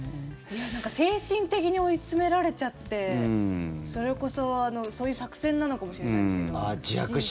精神的に追い詰められちゃってそれこそ、そういう作戦なのかもしれないですけど。